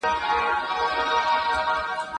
سیاسي شعور ټولنه بیداره کوي.